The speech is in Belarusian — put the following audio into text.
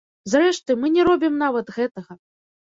Зрэшты, мы не робім нават гэтага.